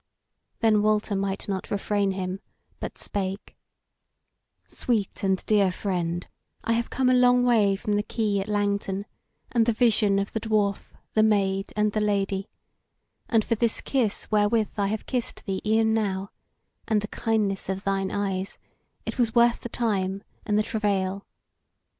Then Walter might not refrain him, but spake: "Sweet and dear friend, I have come a long way from the quay at Langton, and the vision of the Dwarf, the Maid, and the Lady; and for this kiss wherewith I have kissed thee e'en now, and the kindness of thine eyes, it was worth the time and the travail.